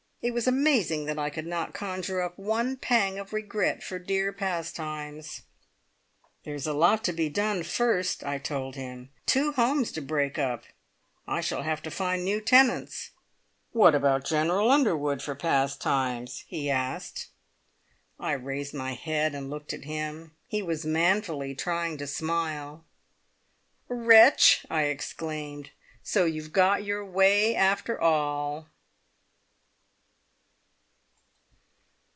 It was amazing that I could not conjure up one pang of regret for dear "Pastimes!" "There's a lot to be done first," I told him. "Two homes to break up. I shall have to find new tenants." "What about General Underwood for `Pastimes'?" he asked. I raised my head and looked at him. He was manfully trying to smile. "Wretch!" I exclaimed. "So you've got your way after all!"